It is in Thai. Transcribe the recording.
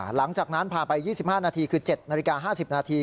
หลังจากนั้นพาไป๒๕นาทีคือ๗นาฬิกา๕๐นาที